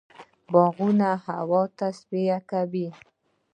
باغونه هوا تصفیه کوي.